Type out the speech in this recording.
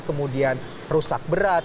kemudian rusak berat